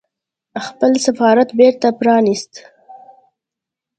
خپل سفارت بېرته پرانيست